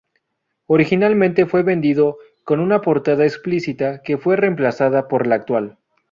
Originalmente fue vendido con una portada explícita que fue reemplazada por la actual.